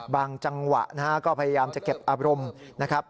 จังหวะนะฮะก็พยายามจะเก็บอารมณ์นะครับ